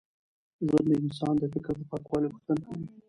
ژوند د انسان د فکر د پاکوالي غوښتنه کوي.